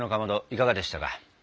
いかがでしたか？